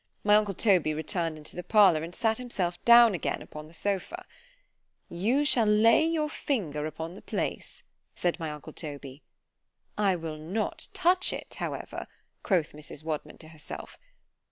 My uncle Toby returned into the parlour, and sat himself down again upon the sopha. ——You shall lay your finger upon the place—said my uncle Toby.——I will not touch it, however, quoth Mrs. Wadman to herself.